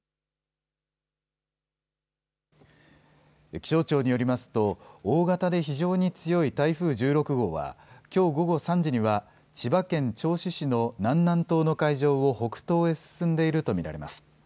気象庁によりますと大型で非常に強い台風１６号は、きょう午後３時には千葉県銚子市の南南東の海上を北東へ進んでいると見られます。